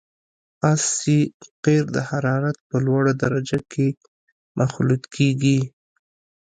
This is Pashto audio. اس سي قیر د حرارت په لوړه درجه کې مخلوط کیږي